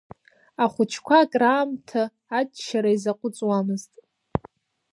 Ахәыҷқәа акраамҭа аччара изаҟәыҵуамызт.